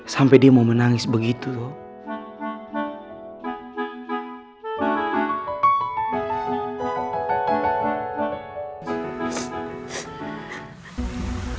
sampai dia mau menangis begitu loh